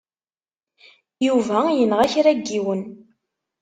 Yuba yenɣa kra n yiwen.